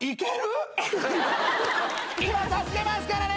今助けますからね！